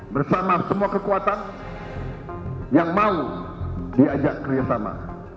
bersama semua kekuatan yang mau diajak kerjasama